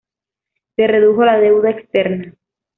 Se redujo la deuda externa.